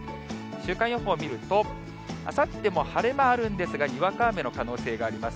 週間予報見ると、あさっても晴れもあるんですが、にわか雨の可能性があります。